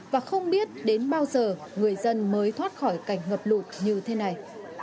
và không biết đến bao giờ người dân mới thoát khỏi cảnh ngập lụt như thế này